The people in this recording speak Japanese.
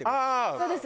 そうです。